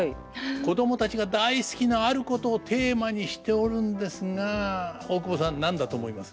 子供たちが大好きなあることをテーマにしておるんですが大久保さん何だと思います？